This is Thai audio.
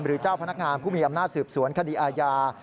เจ้าพนักงานผู้มีอำนาจสืบสวนคดีอาญา